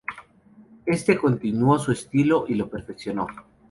Éste continuó su estilo y lo perfeccionó.